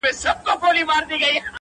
o دا عجیب منظرکسي ده، وېره نه لري امامه.